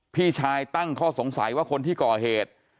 พี่ชายตั้งข้อสงสัยว่าคนที่ก่อเหตุ